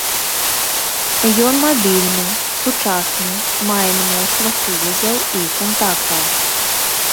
Ён мабільны, сучасны, мае мноства сувязяў і кантактаў.